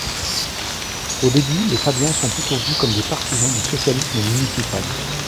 Au début les fabiens sont plutôt vus comme des partisans du socialisme municipal.